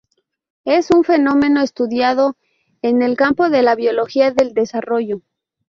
Es un fenómeno estudiado en el campo de la biología del desarrollo.